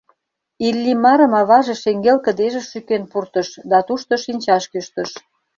Иллимарым аваже шеҥгел кыдежыш шӱкен пуртыш да тушто шинчаш кӱштыш.